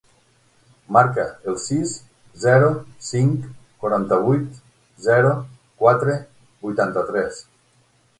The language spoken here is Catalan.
Marca el sis, zero, cinc, quaranta-vuit, zero, quatre, vuitanta-tres.